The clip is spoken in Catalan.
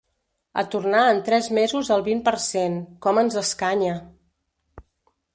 A tornar en tres mesos al vint per cent: com ens escanya!